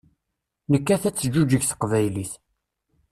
Nekkat ad teǧǧuǧeg teqbaylit.